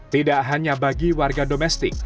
tidak hanya bagi warga domestik